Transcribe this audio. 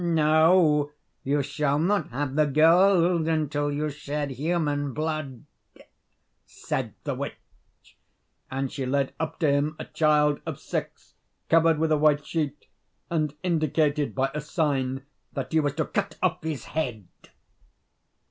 "No, you shall not have the gold until you shed human blood," said the witch, and she led up to him a child of six, covered with a white sheet, and indicated by a sign that he was to cut off his head.